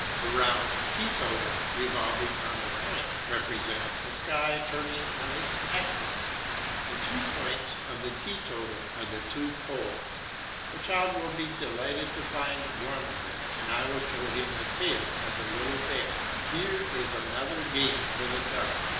A round teetotum revolving on its point represents the sky turning on its axis, the two points of the teetotum are the two poles; the child will be delighted to find one of them, and I show him the tail of the Little bear. Here is a another game for the dark.